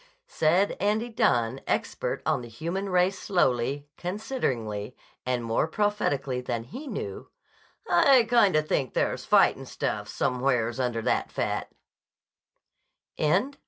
Said Andy Dunne, expert on the human race slowly, consideringly, and more prophetically than he knew: "I kinda think there's fighting stuff some wheres under that fat."